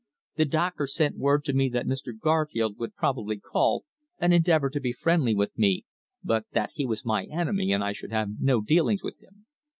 "The doctor sent word to me that Mr. Garfield would probably call and endeavour to be friendly with me, but that he was my enemy, and I should have no dealings with him."